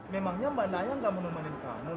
memangnya mbak naya gak menemani kamu luna